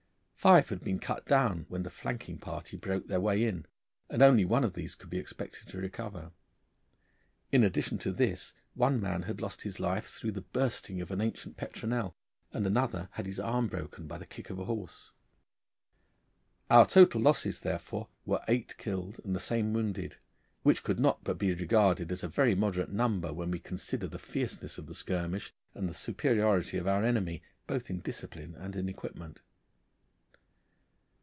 Five had been cut down when the flanking party broke their way in, and only one of these could be expected to recover. In addition to this, one man had lost his life through the bursting of an ancient petronel, and another had his arm broken by the kick of a horse. Our total losses, therefore, were eight killed and the same wounded, which could not but be regarded as a very moderate number when we consider the fierceness of the skirmish, and the superiority of our enemy both in discipline and in equipment.